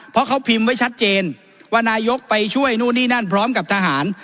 เพราะเขาพิมพ์ไว้ชัดเจนว่านายกไปช่วยนู่นนี่นั่นพร้อมกับทหาร